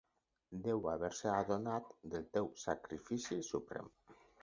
Deu haver-se adonat del teu sacrifici suprem.